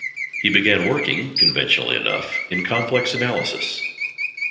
He began working, conventionally enough, in complex analysis.